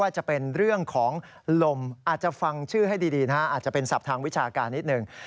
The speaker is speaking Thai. อาจจะเป็นศัพท์ทางวิชาการนิดหนึ่ง